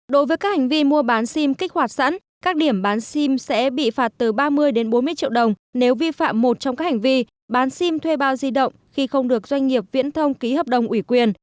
đối với các hành vi mua bán sim kích hoạt sẵn các điểm bán sim sẽ bị phạt từ ba mươi đến bốn mươi triệu đồng nếu vi phạm một trong các hành vi bán sim thuê bao di động khi không được doanh nghiệp viễn thông ký hợp đồng ủy quyền